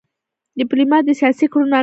ډيپلومات د سیاسي کړنو اغېز ارزوي.